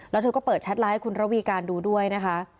แล้วเธอก็เปิดแชทไลน์ให้คุณระวีการดูด้วยนะคะ